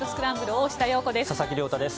大下容子です。